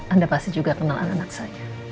anda pasti juga kenal anak anak saya